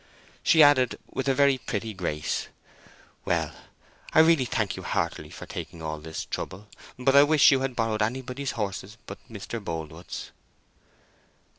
She added with a very pretty grace, "Well, I really thank you heartily for taking all this trouble; but I wish you had borrowed anybody's horses but Mr. Boldwood's."